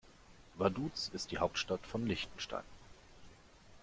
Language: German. Vaduz ist die Hauptstadt von Liechtenstein.